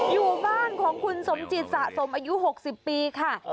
อยู่บ้านของคุณสมจิตสะสมอายุ๖๐ปีค่ะ